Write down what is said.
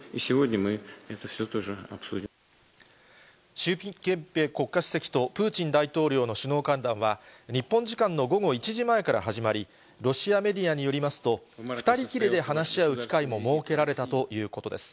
習近平国家主席とプーチン大統領の首脳会談は、日本時間の午後１時前から始まり、ロシアメディアによりますと、２人きりで話し合う機会も設けられたということです。